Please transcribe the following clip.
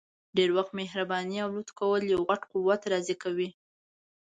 ډير وخت مهرباني او لطف کول یو غټ قوت راضي کوي!